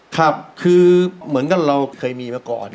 ครับคือเหมือนกับเราเคยมีมาก่อน